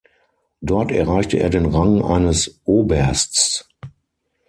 Dort erreichte er den Rang eines Obersts.